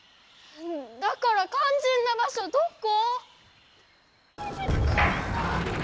だからかんじんな場所どこ？